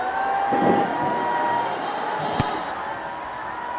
นายสุภิกษ์นารุปากับนักฐาน